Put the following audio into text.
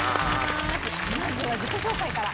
まずは自己紹介から。